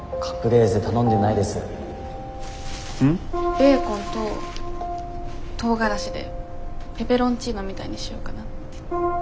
ベーコンととうがらしでペペロンチーノみたいにしようかなって。